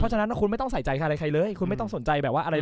ฉะนั้นคุณไม่ต้องใส่ใจใครอะไรใครเลยคุณไม่ต้องสนใจแบบว่าอะไร